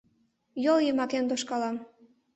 Йол йымакем тошкалам.